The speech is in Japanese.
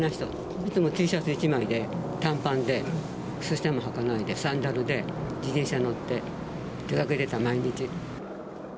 いつもＴシャツ１枚で、短パンで、靴下もはかないで、サンダルで、自転車に乗って出かけてた、毎日。